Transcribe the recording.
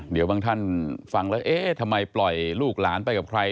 เดี๋ยวบางท่านฟังแล้วเอ๊ะทำไมปล่อยลูกหลานไปกับใคร